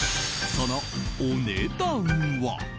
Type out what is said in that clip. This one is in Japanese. そのお値段は。